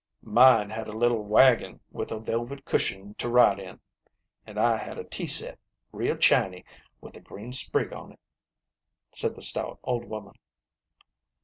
" Mine had a little wagon with a velvet cushion to ride in; an' I had a tea set, real chiny, with a green sprig on't," said the stout old woman.